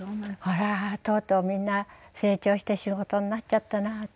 あらとうとうみんな成長して仕事になっちゃったなと思ってましたの。